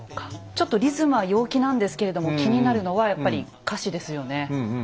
ちょっとリズムは陽気なんですけれども気になるのはやっぱり歌詞ですよね。